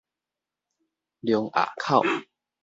龍盒口